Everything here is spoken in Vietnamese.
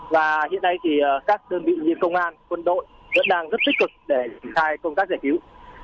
và hiện nay thì các đơn vị như công an quân đội vẫn đang rất tích cực để triển khai công tác giải cứu